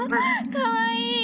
かわいい。